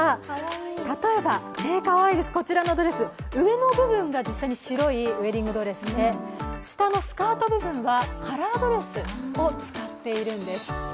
例えば、こちらのドレス、上の部分が実際に白いウエディングドレスで下のスカート部分はカラードレスを使っているんです。